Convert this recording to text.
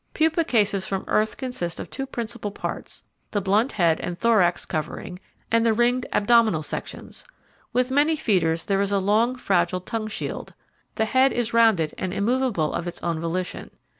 Pupa cases from earth consist of two principal parts: the blunt head and thorax covering, and the ringed abdominal sections. With many feeders there is a long, fragile tongue shield. The head is rounded and immovable of its own volition.